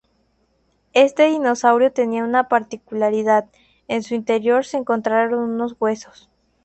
Este dinosaurio tenía una particularidad: en su interior se encontraron unos huesos.